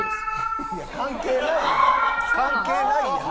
いや関係ないやん。